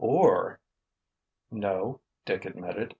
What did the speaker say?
Or——" "No," Dick admitted.